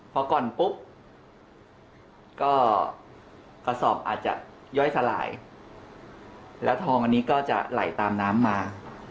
พอก่อนปุ๊บก็กระสอบอาจจะย่อยสลายแล้วทองอันนี้ก็จะไหลตามน้ำมา